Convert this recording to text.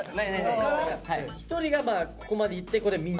１人がここまで言ってここでみんな。